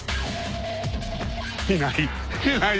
いない。